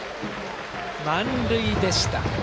満塁でした。